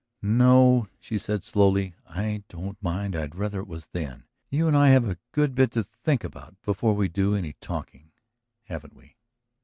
"No," she said slowly. "I don't mind. I'd rather it was then. You and I have a good bit to think about before we do any talking. Haven't we?"